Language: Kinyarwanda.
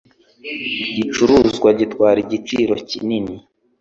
Igicuruzwa gitwara igiciro kinini.